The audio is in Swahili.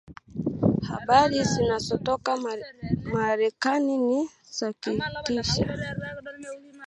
habari zinazotoka Marekani ni za kutisha